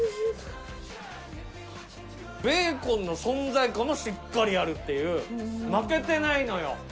ベーコンの存在感もしっかりあるっていう、負けてないのよ。